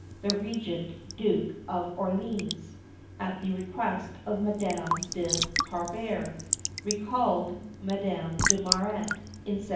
the Regent Duke of Orleans, at the request of Madame de Parabere, recalled Madame de Murat in 1715.